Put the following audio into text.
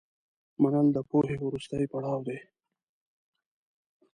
منل د پوهې وروستی پړاو دی.